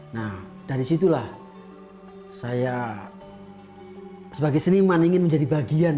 nah dari situlah saya sebagai seniman ingin menjadi bagian